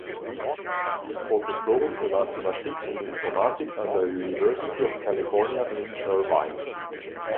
Sie ist Professorin für Mathematik und Informatik an der University of California in Irvine.